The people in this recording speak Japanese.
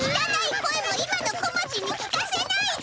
声も今の小町に聞かせないで！